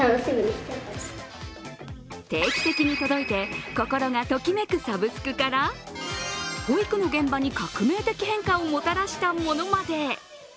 定期的に届いて、心がときめくサブスクから保育の現場に革命的変化をもたらしたものまで。